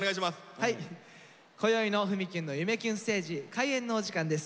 こよいの「ふみキュンの夢キュンステージ」開演のお時間です。